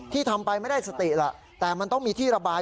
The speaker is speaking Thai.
ทำไปไม่ได้สติล่ะแต่มันต้องมีที่ระบาย